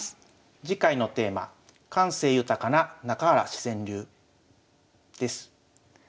次回のテーマ「感性豊かな中原自然流」です。